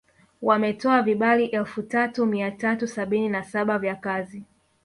Wametoa vibali elfu tatu mia tatu sabini na saba vya kazi